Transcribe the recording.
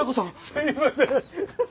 すいません。